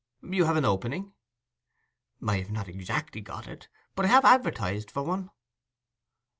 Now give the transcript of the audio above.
'You have an opening?' 'I have not exactly got it, but I have advertised for one.